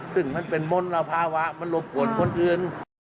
ซึ่งมันเป็นมลภาวะมันรบกวนคนอื่น